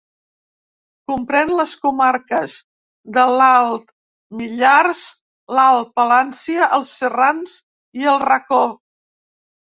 Comprèn les comarques de l'Alt Millars, l'Alt Palància, els Serrans i el Racó.